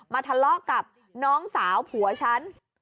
ทะเลาะกับน้องสาวผัวฉัน